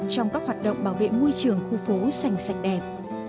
trong các hoạt động bảo vệ môi trường khu phố xanh sạch đẹp